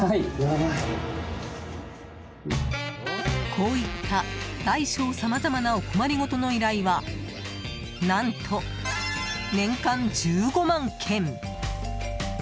こういった、大小さまざまなお困りごとの依頼は何と、年間１５万件。